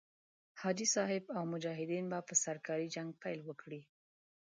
حاجي صاحب او مجاهدین به په سرکاوي جنګ پيل کړي.